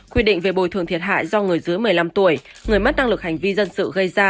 quy định về bồi thường thiệt hại do người dưới một mươi năm tuổi người mất năng lực hành vi dân sự gây ra